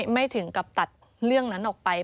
ไม่ถึงกับตัดเรื่องนั้นออกไป